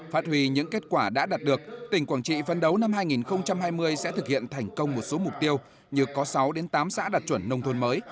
phát huy những kết quả đã đạt được tỉnh quảng trị phân đấu năm hai nghìn hai mươi sẽ thực hiện thành công một số mục tiêu như có sáu đến tám xã đạt chuẩn nông thôn mới